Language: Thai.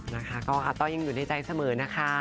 นะคะก็อาต้อยยังอยู่ในใจเสมอนะคะ